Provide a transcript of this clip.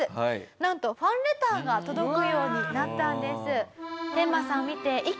なんとファンレターが届くようになったんです。